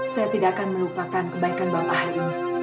saya tidak akan melupakan kebaikan bapak hari ini